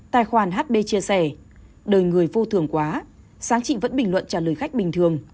tài khoản hb chia sẻ đời người vô thường quá sáng chị vẫn bình luận trả lời khách bình thường